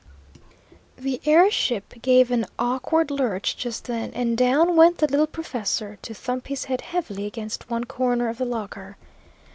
The air ship gave an awkward lurch just then, and down went the little professor to thump his head heavily against one corner of the locker.